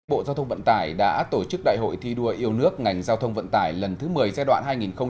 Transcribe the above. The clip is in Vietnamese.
bộ giao thông vận tải đã tổ chức đại hội thi đua yêu nước ngành giao thông vận tải lần thứ một mươi giai đoạn hai nghìn hai mươi hai nghìn hai mươi năm